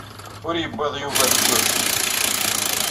Ur yewwiḍ Yuba deg wakud.